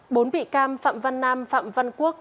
bốn bị cam phạm văn nam phạm văn quốc